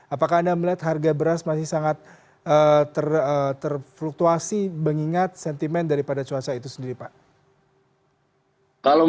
apakah anda melihat harga beras masih sangat terfluktuasi mengingat sentimen daripada cuaca itu sendiri pak